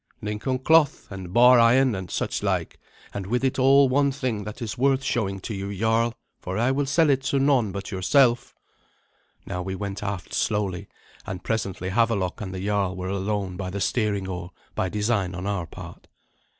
"Lincoln cloth, and bar iron, and such like; and with it all one thing that is worth showing to you, jarl, for I will sell it to none but yourself." Now we went aft slowly, and presently Havelok and the jarl were alone by the steering oar, by design on our part.